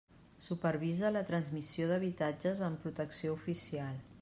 Supervisa la transmissió d'habitatges amb protecció oficial.